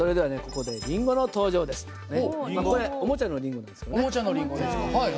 これおもちゃのリンゴですけどね。